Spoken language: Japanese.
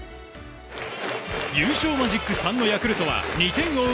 優勝マジック３のヤクルトは２点を追う